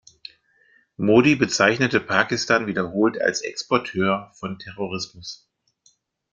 Modi bezeichnete Pakistan wiederholt als Exporteur von Terrorismus.